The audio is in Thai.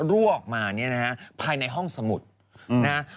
รั่วออกมาเนี่ยนะฮะภายในห้องสมุดนะฮะ